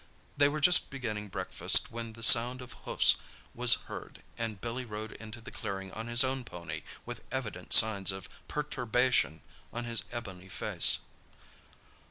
They were just beginning breakfast when the sound of hoofs was heard and Billy rode into the clearing on his own pony, with evident signs of perturbation on his ebony face.